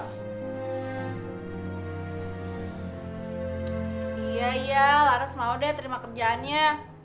iya iya laras mau deh terima kerjaannya